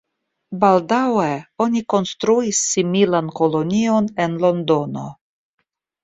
Baldaŭe oni konstruis similan kolonion en Londono.